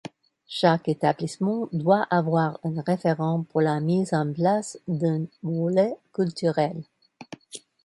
Chaque établissement doit avoir un référent pour la mise en place d’un volet culturel.